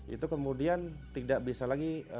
itu kemudian tidak bisa lagi